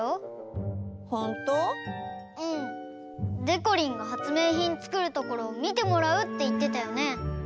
「でこりんが発明品つくるところを見てもらう」っていってたよね。